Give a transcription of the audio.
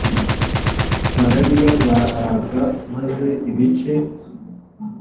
bararya barahaga maze ibice